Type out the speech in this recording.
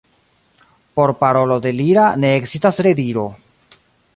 Por parolo delira ne ekzistas rediro.